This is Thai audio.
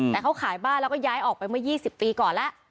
แต่เขาขายบ้านแล้วก็ย้ายออกไปเมื่อ๒๐ปีก่อนแล้ว